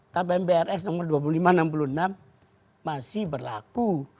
kpm brs nomor dua ribu lima ratus enam puluh enam masih berlaku